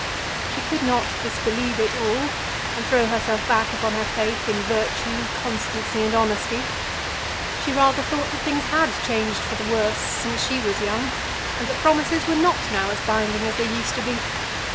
She could not disbelieve it all, and throw herself back upon her faith in virtue, constancy, and honesty. She rather thought that things had changed for the worse since she was young, and that promises were not now as binding as they used to be.